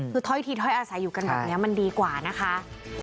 คือถ้อยทีถ้อยอาศัยอยู่กันแบบนี้มันดีกว่านะคะ